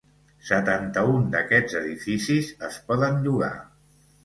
Setanta-un d'aquests edificis es poden llogar.